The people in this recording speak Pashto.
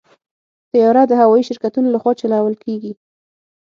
طیاره د هوايي شرکتونو لخوا چلول کېږي.